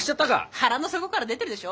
腹の底から出てるでしょ。